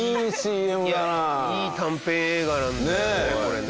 いい短編映画なんだよねこれね。